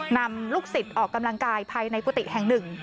นำลูกศิษย์ออกกำลังกายภายในกุฏิแห่งหนึ่ง